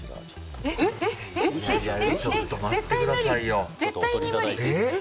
絶対に無理。